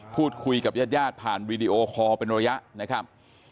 พูดคุยกับญาติญาติผ่านวีดีโอคอลเป็นระยะนะครับ